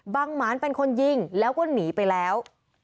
หมานเป็นคนยิงแล้วก็หนีไปแล้ว